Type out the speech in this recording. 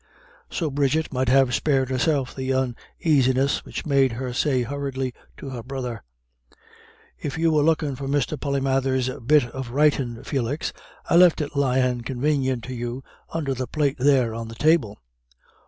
So Bridget might have spared herself the uneasiness which made her say hurriedly to her brother: "If you was lookin' for Mr. Polymathers's bit of writin', Felix, I left it lyin' convanient to you under the plate there on the table."